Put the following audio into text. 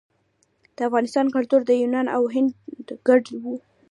د افغانستان کلتور د یونان او هند ګډ و